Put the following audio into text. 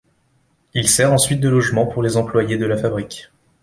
Il sert ensuite de logement pour les employés de la fabrique.